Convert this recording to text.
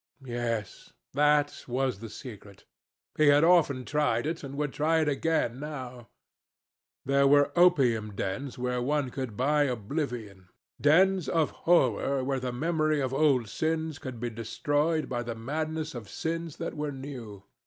Yes, that was the secret. He had often tried it, and would try it again now. There were opium dens where one could buy oblivion, dens of horror where the memory of old sins could be destroyed by the madness of sins that were new.